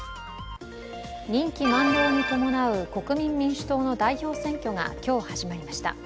任期満了に伴う国民民主党の代表選挙が今日から始まりました。